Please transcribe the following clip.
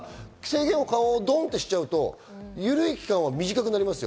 制限緩和をドンとしちゃうと、緩い期間は短くなりますよ。